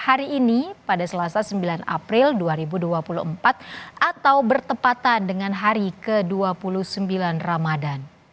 hari ini pada selasa sembilan april dua ribu dua puluh empat atau bertepatan dengan hari ke dua puluh sembilan ramadan